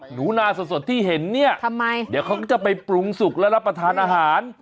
หนูนาสดที่เห็นเนี่ยทำไมเดี๋ยวเขาก็จะไปปรุงสุกแล้วรับประทานอาหาร